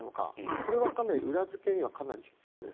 これはかなり裏付けには必要です。